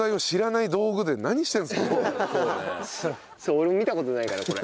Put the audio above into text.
俺も見た事ないからこれ。